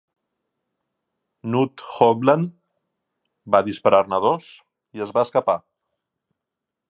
Knut Haugland va disparar-ne dos, i es va escapar.